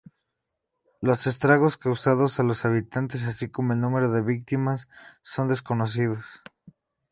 Los estragos causados a los habitantes, así como el número de víctimas, son desconocidos.